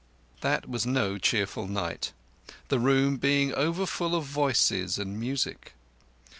That was no cheerful night; the room being overfull of voices and music.